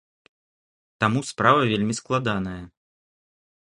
Таму справа вельмі складаная.